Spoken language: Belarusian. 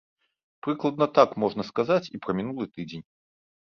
Прыкладна так можна сказаць і пра мінулы тыдзень.